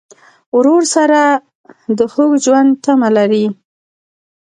ورور سره د خوږ ژوند تمه لرې.